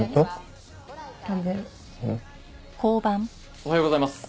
おはようございます。